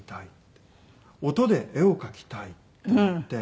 音で絵を描きたいと思って。